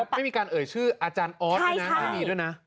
ไม่มีการเอ่ยชื่ออาจารย์ออสด้วยนะ